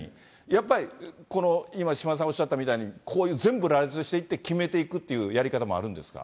やっぱりこの今、島田さんがおっしゃったようにこういう全部羅列していって、決めていくっていうやり方もあるんですか？